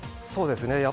そうですね。